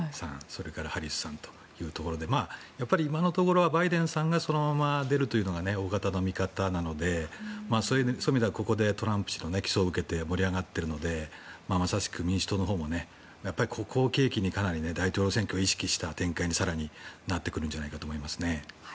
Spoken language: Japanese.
それからハリスさんというところで今のところはバイデンさんがそのまま出るというのが大方の見方なのでそういう意味ではここでトランプ氏の起訴を受けて盛り上がっているのでまさしく民主党のほうもここを契機に、かなり大統領選挙を意識した展開に更になってくるんじゃないかと思いますね。